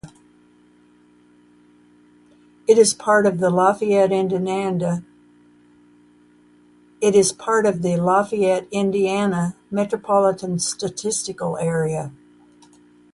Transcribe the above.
It is part of the Lafayette, Indiana Metropolitan Statistical Area.